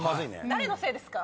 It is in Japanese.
誰のせいですか？